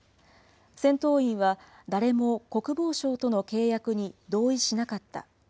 戦闘員は誰も国防省との契約に同意しなかった。